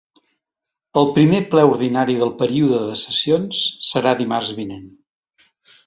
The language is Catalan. El primer ple ordinari del període de sessions serà dimarts vinent.